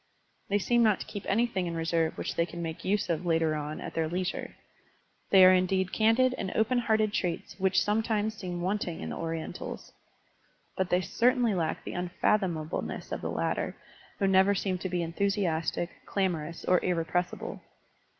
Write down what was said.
They seem not to keep any thing in reserve which they can make use of later on at their leisure. They are indeed candid and open hearted — ^traits which sometimes seem wanting in the Orientals. But they certainly lack the tmfathomableness of the latter, who never seem to be enthusiastic, clamorous, or irrepres sible.